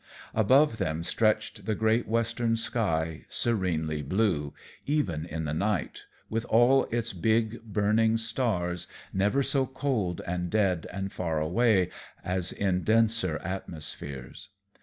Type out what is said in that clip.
Above them stretched the great Western sky, serenely blue, even in the night, with its big, burning stars, never so cold and dead and far away as in denser atmospheres.